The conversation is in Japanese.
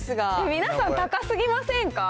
皆さん、高すぎませんか？